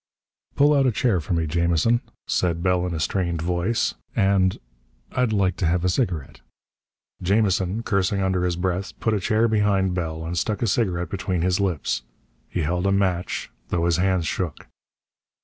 "Pull out a chair for me, Jamison," said Bell in a strained voice. "And I'd like to have a cigarette." Jamison, cursing under his breath, put a chair behind Bell and stuck a cigarette between his lips. He held a match, though his hands shook.